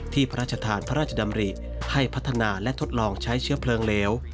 ที่พระชาธานพระราชดำริให้พัฒนาและทดลองใช้เชื้อเปลืองเลี้ว